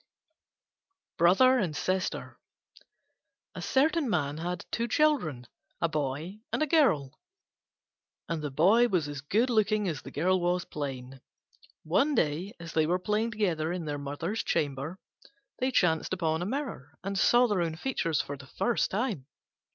BROTHER AND SISTER A certain man had two children, a boy and a girl: and the boy was as good looking as the girl was plain. One day, as they were playing together in their mother's chamber, they chanced upon a mirror and saw their own features for the first time.